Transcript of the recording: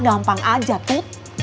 gampang aja tuh